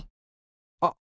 あっ！